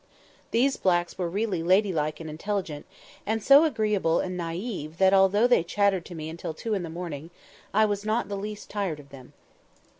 These blacks were really lady like and intelligent, and so agreeable and naïve that, although they chattered to me till two in the morning, I was not the least tired of them.